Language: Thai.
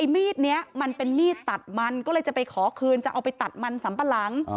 มีดนี้มันเป็นมีดตัดมันก็เลยจะไปขอคืนจะเอาไปตัดมันสัมปะหลัง